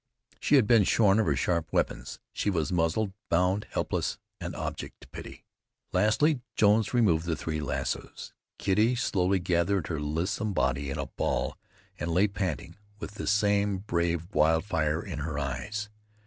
She had been shorn of her sharp weapons; she was muzzled, bound, helpless, an object to pity. Lastly Jones removed the three lassoes. Kitty slowly gathered her lissom body in a ball and lay panting, with the same brave wildfire in her eyes.